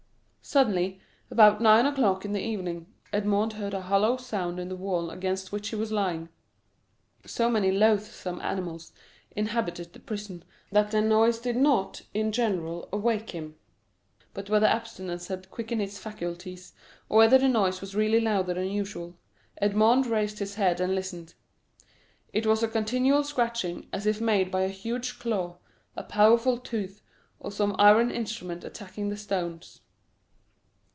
Suddenly, about nine o'clock in the evening, Edmond heard a hollow sound in the wall against which he was lying. So many loathsome animals inhabited the prison, that their noise did not, in general, awake him; but whether abstinence had quickened his faculties, or whether the noise was really louder than usual, Edmond raised his head and listened. It was a continual scratching, as if made by a huge claw, a powerful tooth, or some iron instrument attacking the stones.